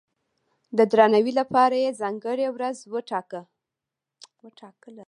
د درناوي لپاره یې ځانګړې ورځ وټاکله.